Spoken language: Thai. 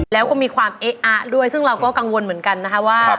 แล้วก็มีความเอ๊ะอะด้วยซึ่งเราก็กังวลเหมือนกันนะคะว่า